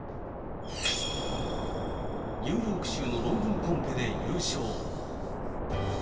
ニューヨーク州の論文コンペで優勝。